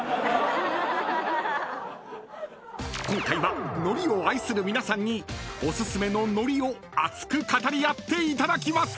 ［今回はのりを愛する皆さんにお薦めののりを熱く語り合っていただきます！］